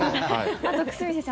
あと久住先生